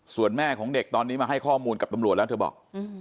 ส่วนแม่ของเด็กตอนนี้มาให้ข้อมูลกับตำรวจแล้วเธอบอก